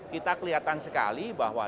kita kelihatan sekali bahwa